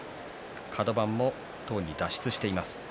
カド番もとうに脱出しています。